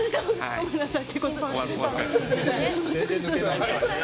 ごめんなさい。